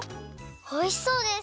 おいしそうです。